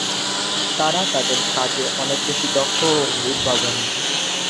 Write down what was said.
তাঁরা তাঁদের কাজে অনেক বেশি দক্ষ ও উদ্ভাবনী।